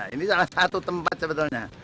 ini salah satu tempat sebetulnya